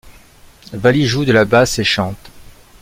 Valli joue de la basse et chante.